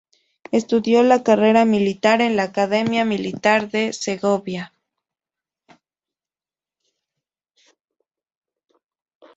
Estudió la carrera militar en la Academia Militar de Segovia.